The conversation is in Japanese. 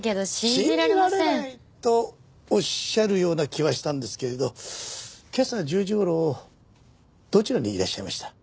信じられない！とおっしゃるような気はしたんですけれど今朝１０時頃どちらにいらっしゃいました？